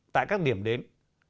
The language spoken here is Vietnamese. tại các điểm đến